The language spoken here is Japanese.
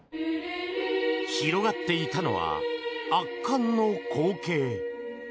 広がっていたのは圧巻の光景。